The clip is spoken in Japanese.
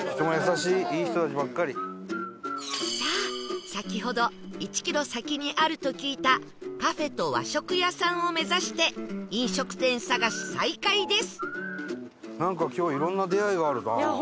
さあ先ほど１キロ先にあると聞いたカフェと和食屋さんを目指して飲食店探し再開です